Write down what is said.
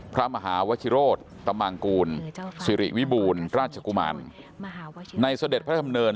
พระมหาวชิโรธตำมางกูลสิริวิบูรณ์ราชกุมารในเสด็จพระดำเนิน